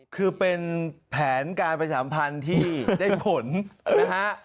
คือเป็นแผนการประชาสัมพันธ์ที่ได้ผลนะฮะ